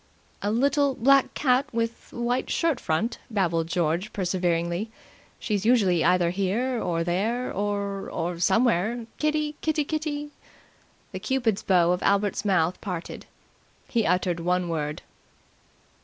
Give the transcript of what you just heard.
"A little black cat with white shirt front," babbled George perseveringly. "She's usually either here or there, or or somewhere. Kitty, Kitty, Kitty!" The cupid's bow of Albert's mouth parted. He uttered one word.